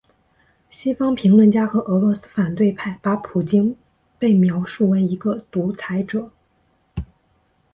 西方评论家和俄罗斯反对派把普京被描述为一个独裁者。